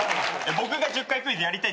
僕が１０回クイズやりたい。